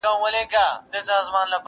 و غزل ته مي الهام سي ستا غزل غزل خبري,